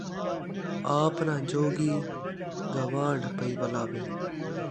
آپ نہ جوڳی، گوان٘ڈھ پئی ولاوے